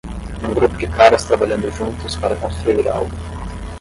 Um grupo de caras trabalhando juntos para construir algo